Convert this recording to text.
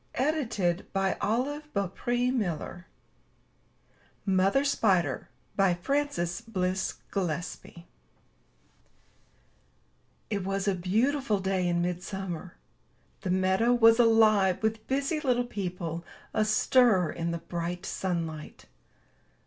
227 MY BOOK HOUSE MOTHER SPIDER* Frances Bliss Gillespy It was a beautiful day in midsummer. The meadow was alive with busy little people astir in the bright sunlight.